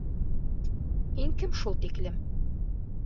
Һин кем шул тиклем?